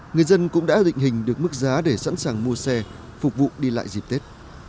người dân cũng đã định hình được mức giá để sẵn sàng mua xe phục vụ đi lại dịp tết